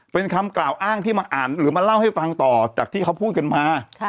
เป็นคำกล่าวอ้างที่มาอ่านหรือมาเล่าให้ฟังต่อจากที่เขาพูดกันมา